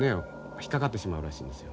引っ掛かってしまうらしいんですよ。